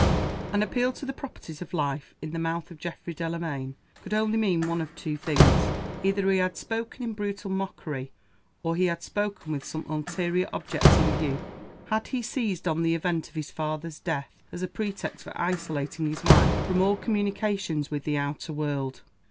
An appeal to the proprieties of life, in the mouth of Geoffrey Delamayn, could only mean one of two things. Either he had spoken in brutal mockery or he had spoken with some ulterior object in view. Had he seized on the event of his father's death as a pretext for isolating his wife from all communication with the outer world?